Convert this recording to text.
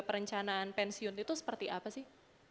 perencanaan pensiun itu seperti apa sih